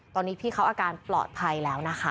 ตอนนี้พี่เขาอาการปลอดภัยแล้วนะคะ